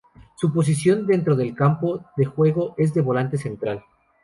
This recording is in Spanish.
Su posición dentro del campo de juego es de volante central.